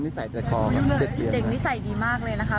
นิสัยแต่คอมันเด็กนิสัยดีมากเลยนะคะ